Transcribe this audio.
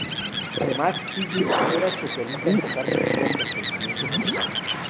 Además, Higgins era especialista en tocar melodías con sentimiento emocional.